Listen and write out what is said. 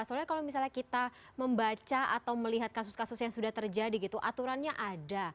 soalnya kalau misalnya kita membaca atau melihat kasus kasus yang sudah terjadi gitu aturannya ada